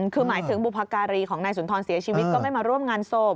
คือหมายถึงบุพการีของนายสุนทรเสียชีวิตก็ไม่มาร่วมงานศพ